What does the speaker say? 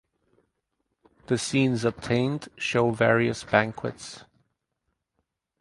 The scenes obtained show various banquets.